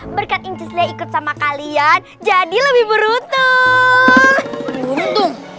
berkat ikut sama kalian jadi lebih beruntung